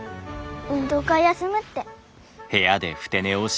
運動会休むって。